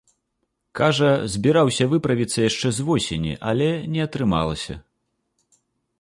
Кажа, збіраўся выправіцца яшчэ з восені, але не атрымалася.